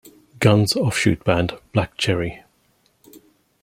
Guns offshoot band Black Cherry.